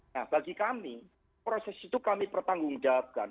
nah bagi kami proses itu kami pertanggungjawabkan